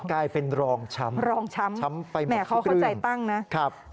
กลายเป็นรองช้ำช้ำไปหมดทุกเรื่องรองช้ำแหมเขาเข้าใจตั้งนะ